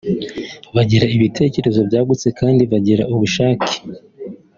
bagira ibitekerezo byagutse kandi bagira ubushake